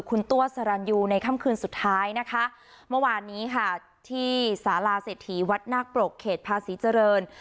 คุณตัวสรรยูในค่ำคืนสุดท้ายนะคะเมื่อวานนี้ค่ะที่สาราเศรษฐีวัดนาคปรกเขตภาษีเจริญ